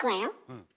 うん。